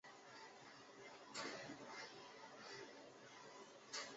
垫状点地梅为报春花科点地梅属下的一个种。